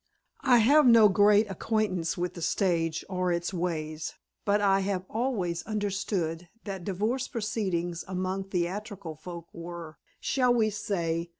"I have no great acquaintance with the stage or its ways, but I have always understood that divorce proceedings among theatrical folk were, shall we say?